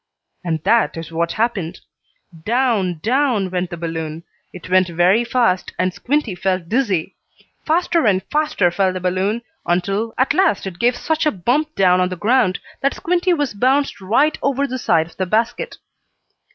And that is what happened. Down, down went the balloon. It went very fast, and Squinty felt dizzy. Faster and faster fell the balloon, until, at last it gave such a bump down on the ground that Squinty was bounced right over the side of the basket.